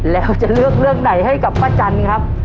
แล้วจะเลือกเรื่องไหนให้กับป้าจันครับ